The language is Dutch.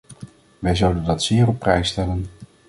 Wij zouden dat zeer op prijs stellen.